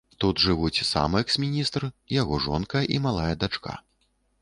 Тут жывуць сам экс-міністр, яго жонка і малая дачка.